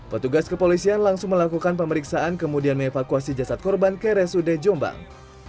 petugas kepolisian langsung melakukan pemeriksaan kemudian mengevakuasi jasad korban ke resude jombang